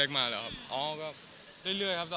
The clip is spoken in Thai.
ทุกคำถามแปลกหมดเลยเว้ยไม่มีอะไรปกติเลย